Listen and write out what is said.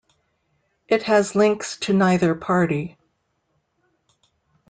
It has links to neither party.